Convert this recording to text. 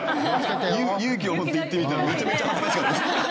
勇気を持って言ってみたらめちゃめちゃ恥ずかしかった。